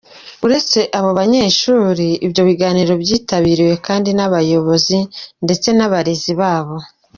Uretse abo banyeshuri, ibyo biganiro byitabiriwe kandi n’abayobozi ndetse n’abarezi babo.